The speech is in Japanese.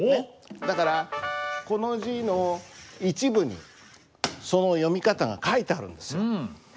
だからこの字の一部にその読み方が書いてあるんですよ。